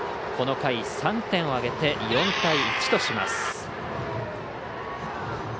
この回３点を挙げて４対１とします。